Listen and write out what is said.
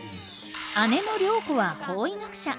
姉の涼子は法医学者。